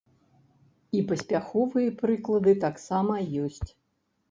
І паспяховыя прыклады таксама ёсць.